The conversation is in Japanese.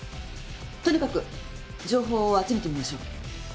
とにかく情報を集めてみましょう。